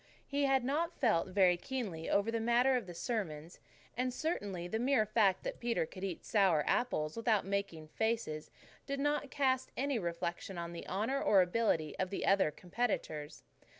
He had not felt very keenly over the matter of the sermons, and certainly the mere fact that Peter could eat sour apples without making faces did not cast any reflection on the honour or ability of the other competitors.